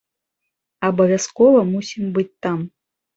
Абавязкова мусім быць там!